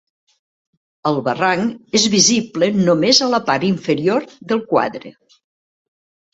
El barranc és visible només a la part inferior del quadre.